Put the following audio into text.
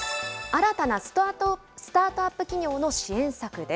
新たなスタートアップ企業の支援